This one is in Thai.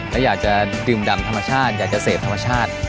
และอยากจะดื่มดำธรรมชาติอยากจะเสพธรรมชาติ